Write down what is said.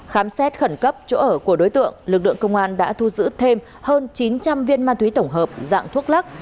khám xét khẩn cấp chỗ ở của đối tượng lực lượng công an đã thu giữ thêm hơn chín trăm linh viên ma túy tổng hợp dạng thuốc lắc